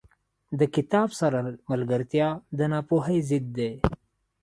• د کتاب سره ملګرتیا، د ناپوهۍ ضد دی.